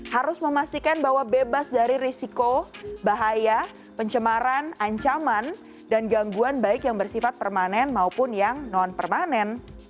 harus memastikan bahwa bebas dari risiko bahaya pencemaran ancaman dan gangguan baik yang bersifat permanen maupun yang non permanen